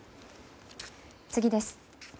次です。